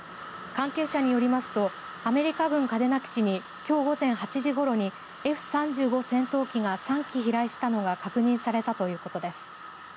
関係者によりますとアメリカ軍嘉手納基地にきょう午前８時ごろにＦ３５戦闘機が３機飛来したのが確認されたということです。